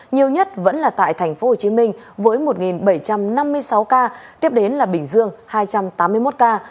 nhiều nhất vẫn là tại tp hcm với một bảy trăm năm mươi sáu ca tiếp đến là bình dương hai trăm tám mươi một ca